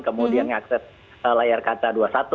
kemudian nge access layar kata dua puluh satu